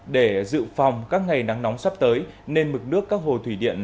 để dự phòng các ngày nắng nóng sắp tới nên mực nước các hồ thủy điện